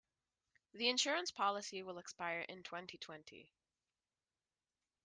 The insurance policy will expire in twenty-twenty.